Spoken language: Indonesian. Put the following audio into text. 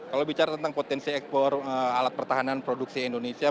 kalau bicara tentang potensi ekspor alat pertahanan produksi indonesia